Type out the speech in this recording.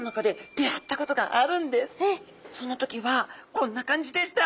その時はこんな感じでした。